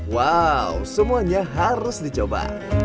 wow semuanya harus dicoba